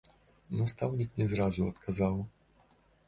Настаўнік не зразу адказаў.